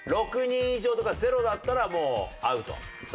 ６人以上とか０だったらもうアウトそれで。